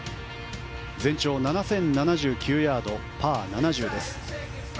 全長７０７９ヤードパー７０です。